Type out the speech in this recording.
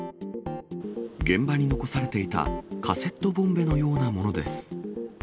現場に残されていたカセットボンベのようなものです。